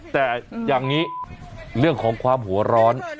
แต่อย่างนี้เรื่องของความหัวร้อน